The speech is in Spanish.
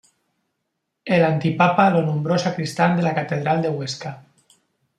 El antipapa lo nombró sacristán de la catedral de Huesca.